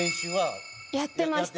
広瀬：やってました。